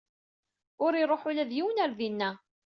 Ur iruḥ ula d yiwen ar dina.